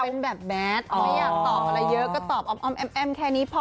เป็นแบบแบทไม่อยากตอบอะไรเยอะก็ตอบอ้อมแอ้มแค่นี้พอ